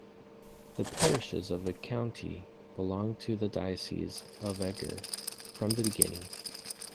The parishes of the county belonged to the Diocese of Eger from the beginning.